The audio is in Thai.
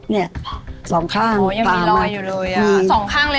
ยังมีลอยอยู่เลยอ่า